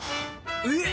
えっ！